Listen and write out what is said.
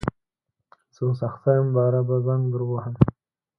زه اوس اخته یم باره به زنګ در ووهم